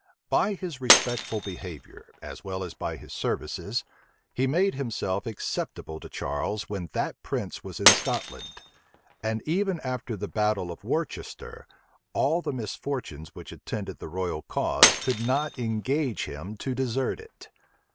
By his respectful behavior, as well as by his services, he made himself acceptable to Charles when that prince was in Scotland: and even after the battle of Worcester, all the misfortunes which attended the royal cause could not engage him to desert it.